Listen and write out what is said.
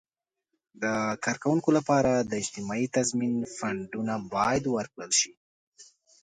د کارکوونکو لپاره د اجتماعي تضمین فنډونه باید ورکړل شي.